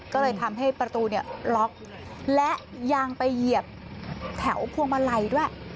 ก็เลยทำให้ประตูเนี่ยล็อกและยางไปเหยียบแถวพวงมาลัยด้วย